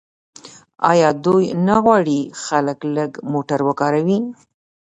آیا دوی نه غواړي خلک لږ موټر وکاروي؟